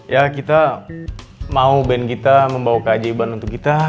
ya kita mau band kita membawa keajaiban untuk kita